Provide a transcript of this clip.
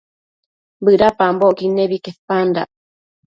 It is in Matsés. bëdapambocquid nebi quepandac